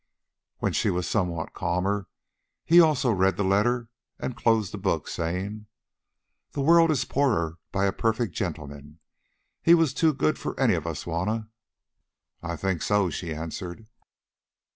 When she was somewhat calmer he also read the letter and closed the book, saying: "The world is poorer by a perfect gentleman. He was too good for any of us, Juanna." "I think so," she answered.